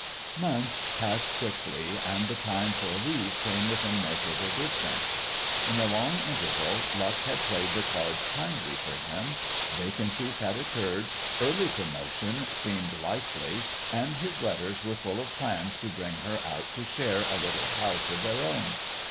Months passed quickly, and the time for leave came within measurable distance. In the long interval luck had played the cards kindly for him, vacancies had occurred, early promotion seemed likely, and his letters were full of plans to bring her out to share a little house of their own.